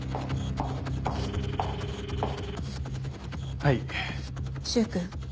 はい柊君？